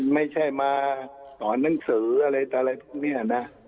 ไม่ใช่มาสอนหนังสืออะไรอะไรพวกนี้นะ